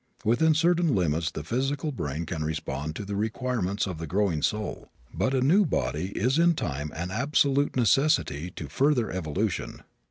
Within certain limits the physical brain can respond to the requirements of the growing soul, but a new body is in time an absolute necessity to further evolution.